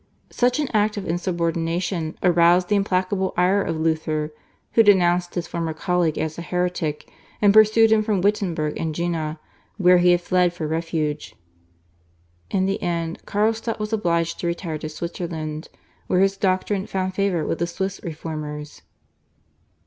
Such an act of insubordination aroused the implacable ire of Luther, who denounced his former colleague as a heretic, and pursued him from Wittenberg and Jena, where he had fled for refuge. In the end Carlstadt was obliged to retire to Switzerland, where his doctrine found favour with the Swiss reformers.